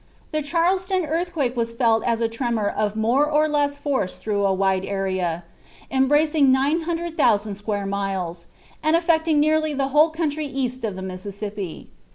The Charleston earthquake was felt as a tremor of more or less force through a wide area, embracing 900,000 square miles, and affecting nearly the whole country east of the Mississippi.